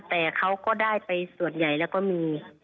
แต่เขาก็ได้ไปส่วนใหญ่แล้วก็มี